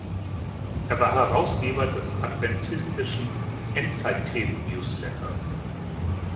Er war Herausgeber des adventistischen "Endzeit-Themen-Newsletter".